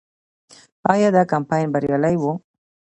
آیا دا کمپاین بریالی و؟